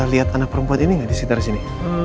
lihat anak perempuan ini nggak di sekitar sini